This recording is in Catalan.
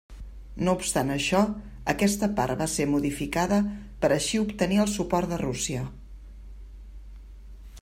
No obstant això, aquesta part va ser modificada per així obtenir el suport de Rússia.